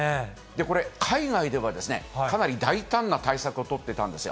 これ、海外ではですね、かなり大胆な対策を取ってたんですよ。